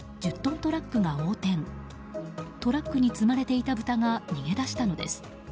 トラックに積まれていた豚が逃げ出したのです。